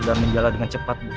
dan menjala dengan cepat bos